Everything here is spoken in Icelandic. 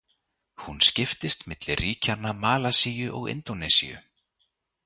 Hún skiptist milli ríkjanna Malasíu og Indónesíu.